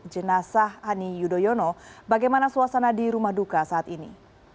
jenazah ani yudhoyono bagaimana suasana di rumah duka saat ini